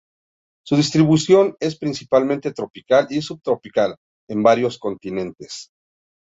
Su distribución es principalmente tropical y subtropical, en varios continentes.